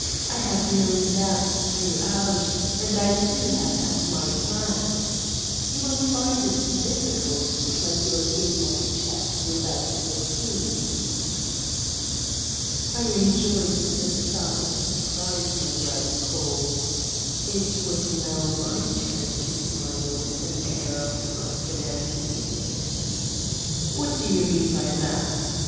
I have known that throughout, and I too have had my plans. You will find it difficult to play your game of chess without the King." I enjoyed the start of surprise my words caused. It was now my turn to smile with an air of confidence. "What do you mean by that?"